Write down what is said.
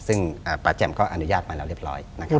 ซึ่งป่าแจ่มก็อนุญาตไปแล้วเรียบร้อยนะครับ